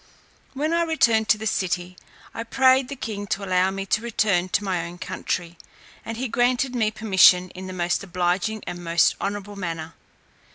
When I returned to the city, I prayed the king to allow me to return to my own country, and he granted me permission in the most obliging and most honourable manner.